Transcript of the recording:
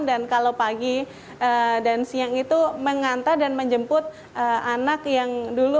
dan kalau pagi dan siang itu mengantar dan menjemput anak yang dulu